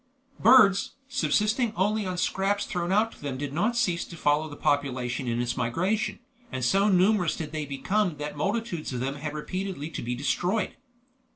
Birds, subsisting only on scraps thrown out to them did not cease to follow the population in its migration, and so numerous did they become that multitudes of them had repeatedly to be destroyed.